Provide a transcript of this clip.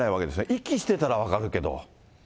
遺棄してたら分かるけど。